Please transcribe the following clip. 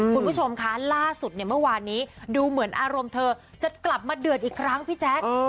คุณผู้ชมคะล่าสุดเนี่ยเมื่อวานนี้ดูเหมือนอารมณ์เธอจะกลับมาเดือดอีกครั้งพี่แจ๊ค